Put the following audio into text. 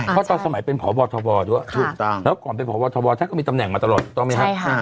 เพราะตอนสมัยเป็นผอบทบทด้วยแล้วก่อนเป็นผอบทบทก็มีตำแหน่งมาตลอดต้องมั้ยฮะ